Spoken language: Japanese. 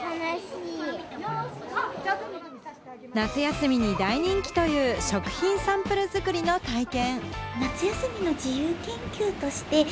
夏休みに大人気という食品サンプル作りの体験。